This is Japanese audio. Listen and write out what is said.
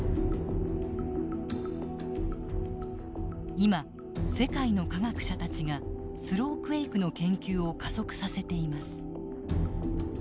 今世界の科学者たちがスロークエイクの研究を加速させています。